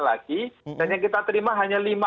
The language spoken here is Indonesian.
lagi dan yang kita terima hanya lima